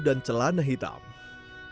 dan celana berwarna biru